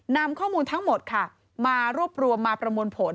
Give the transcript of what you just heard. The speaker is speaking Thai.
นำข้อมูลทั้งหมดค่ะมารวบรวมมาประมวลผล